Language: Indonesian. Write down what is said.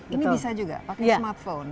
ini bisa juga pakai smartphone